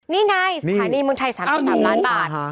นี่ไนซ์อันนี้มึงใช้๓๓ล้านบาท